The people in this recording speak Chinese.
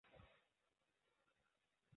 鞘山芎为伞形科山芎属的植物。